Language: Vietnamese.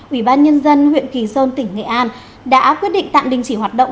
ủy ban nhân dân huyện kỳ sơn tỉnh nghệ an đã quyết định tạm đình chỉ hoạt động